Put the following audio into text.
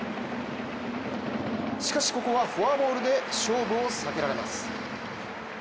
しかし、ここはフォアボールで勝負を避けられます。